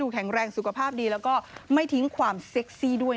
แข็งแรงสุขภาพดีแล้วก็ไม่ทิ้งความเซ็กซี่ด้วย